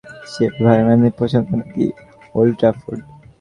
Sky স্পোর্টসের তথ্য, নতুন ঠিকানা হিসেবে ভারম্যালেনের পছন্দ নাকি ওল্ড ট্রাফোর্ড।